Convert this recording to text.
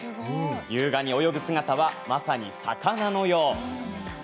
優雅に泳ぐ姿は、まさに魚のよう。